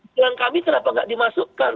dengan kami kenapa gak dimasukkan